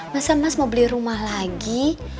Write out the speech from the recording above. masa mas mau beli rumah lagi